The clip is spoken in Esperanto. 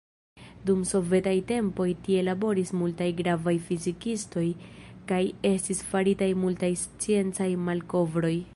Dum sovetaj tempoj tie laboris multaj gravaj fizikistoj kaj estis faritaj multaj sciencaj malkovroj.